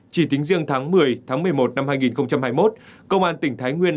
chỉ tính riêng tháng một mươi tháng một mươi một năm hai nghìn hai mươi một công an tỉnh thái nguyên